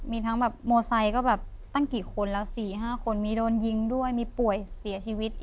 มีทั้งแบบโมไซค์ก็แบบตั้งกี่คนแล้ว๔๕คนมีโดนยิงด้วยมีป่วยเสียชีวิต